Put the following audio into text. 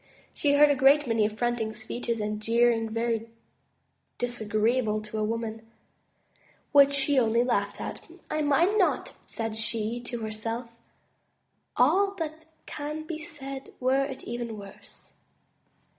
She heard a great many affronting speeches and jeering very disagreeable to a woman, which she only laughed at. "I mind not,'* said she to herself, ''all that can be said, were it even worse.